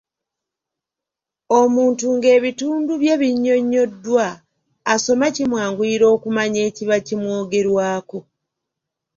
Omuntu nga ebitundu bye binnyonnyoddwa, asoma kimwanguyira okumanya ekiba kimwogerwako.